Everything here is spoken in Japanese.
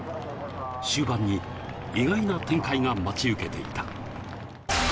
終盤に意外な展開が待ち受けていた。